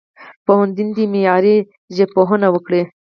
پوهنتون دي معیاري ژبپوهنه وکړي.